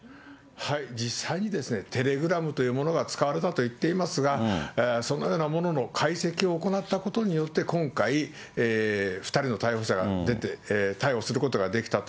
実際にですね、テレグラムというものが使われたといっていますが、そのようなものの解析を行ったことによって、今回、２人の逮捕者が出て、逮捕することができたと。